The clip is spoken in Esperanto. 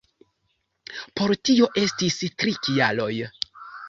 Por tio estis tri kialoj.